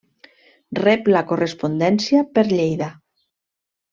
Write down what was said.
Rep la correspondència per Lleida.